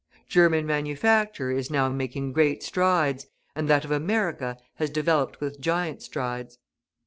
German manufacture is now making great efforts, and that of America has developed with giant strides.